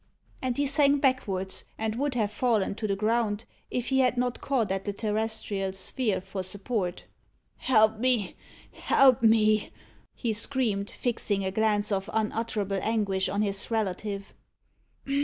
And he sank backwards, and would have fallen to the ground if he had not caught at the terrestrial sphere for support. "Help me help me!" he screamed, fixing a glance of unutterable anguish on his relative.